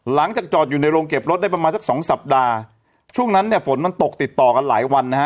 หลังจากจอดอยู่ในโรงเก็บรถได้ประมาณสักสองสัปดาห์ช่วงนั้นเนี่ยฝนมันตกติดต่อกันหลายวันนะฮะ